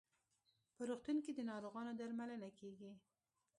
په روغتون کې د ناروغانو درملنه کیږي.